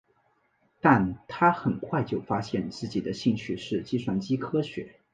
但他很快就发现自己的兴趣是计算机科学。